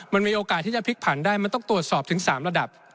มันมีโอกาสที่จะพลิกผันได้มันต้องตรวจสอบถึง๓ระดับ